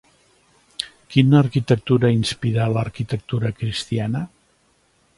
Quina arquitectura inspirà l'arquitectura cristiana?